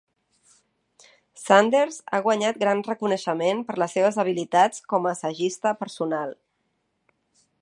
Sanders ha guanyat gran reconeixement per les seves habilitats com a assagista personal.